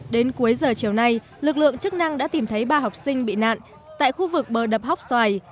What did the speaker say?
đến cuối giờ chiều nay lực lượng chức năng đã tìm thấy ba học sinh bị nạn tại khu vực bờ đập hóc xoài